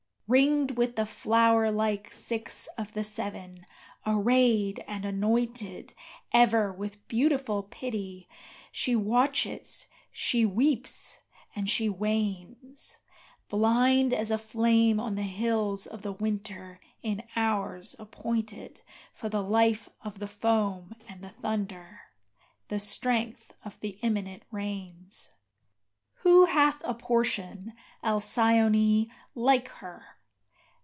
Ringed with the flower like Six of the Seven, arrayed and anointed Ever with beautiful pity, she watches, she weeps, and she wanes, Blind as a flame on the hills of the Winter in hours appointed For the life of the foam and the thunder the strength of the imminent rains. Who hath a portion, Alcyone, like her?